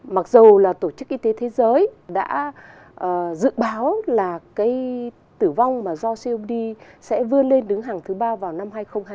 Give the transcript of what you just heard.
mặc dù là tổ chức y tế thế giới đã dự báo là cái tử vong mà do comd sẽ vươn lên đứng hàng thứ ba vào năm hai nghìn hai mươi